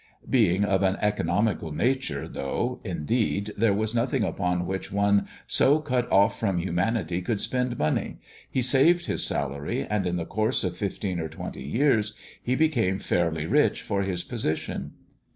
Being of an economical nature, though, indeed, there was nothing upon which one so cut ofE from humanity could spend money, he saved his salary, and in the course of fifteen or twenty years he became fairly rich for his position."